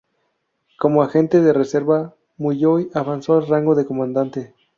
Como agente de reserva, Mulloy avanzó al rango de comandante.